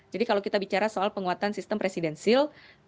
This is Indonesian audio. jadi kalau kita bicara soal penguatan sistem presidensil